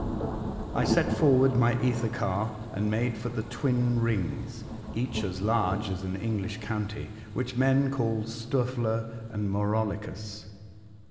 I set forward my ether car and made for the twin rings (each as large as an English county) which men call Stoefler and Mau rolycus.